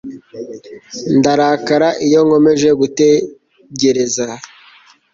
Ndarakara iyo nkomeje gutegereza